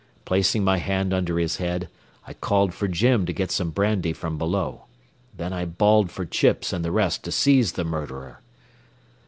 Placing my hand under his head, I called for Jim to get some brandy from below. Then I bawled for Chips and the rest to seize the murderer.